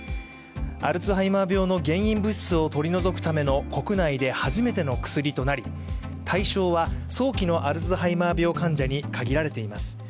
アルツハイマー病の原因物質を取り除くための国内で初めての薬となり、対象は早期のアルツハイマー病患者に限られています。